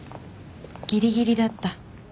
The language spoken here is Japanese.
ギリギリだった。